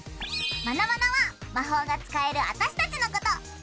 マナマナは魔法が使える私たちのこと。